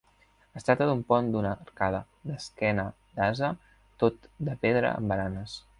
Es tracta d'un pont d'una arcada, d'esquena d'ase, tot de pedra amb baranes.